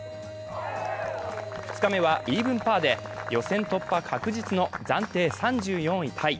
２日目はイーブンパーで予選トッパ確実の暫定３４位タイ。